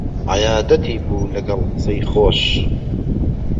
عەیادەتی بوو لەگەڵ قسەی خۆش